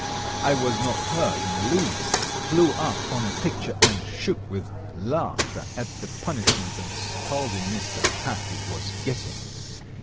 I was not hurt in the least, flew up on a picture and shook with laughter at the punishment and scolding Mr. Taffy was getting.